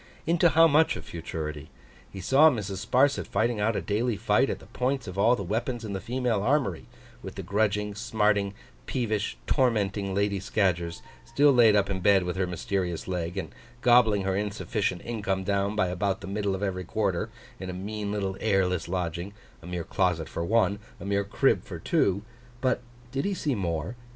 Into how much of futurity? He saw Mrs. Sparsit fighting out a daily fight at the points of all the weapons in the female armoury, with the grudging, smarting, peevish, tormenting Lady Scadgers, still laid up in bed with her mysterious leg, and gobbling her insufficient income down by about the middle of every quarter, in a mean little airless lodging, a mere closet for one, a mere crib for two; but did he see more?